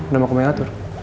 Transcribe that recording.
nama kamu yang atur